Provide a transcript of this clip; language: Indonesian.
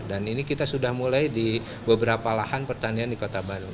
dan ini kita sudah mulai di beberapa lahan pertanian di kota bandung